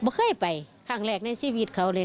เคยไปครั้งแรกในชีวิตเขาเลย